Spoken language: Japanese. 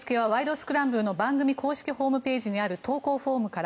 スクランブル」の公式ホームページにある投稿フォームから。